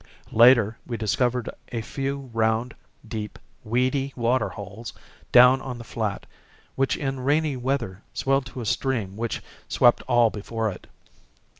Later, we discovered a few round, deep, weedy waterholes down on the flat, which in rainy weather swelled to a stream which swept all before it.